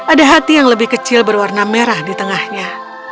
ada hati yang lebih kecil berwarna merah di tengahnya